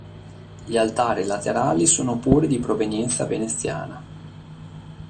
Gli altari laterali sono pure di provenienza veneziana.